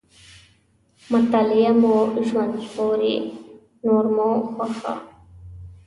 مطالعه مو ژوند ژغوري، نور مو خوښه.